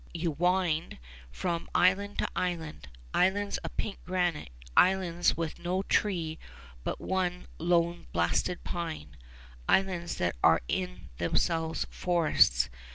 You wind from island to island, islands of pink granite, islands with no tree but one lone blasted pine, islands that are in themselves forests.